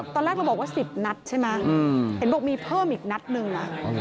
ตอนแรกเราบอกว่า๑๐นัดใช่ไหมเห็นบอกมีเพิ่มอีกนัดหนึ่ง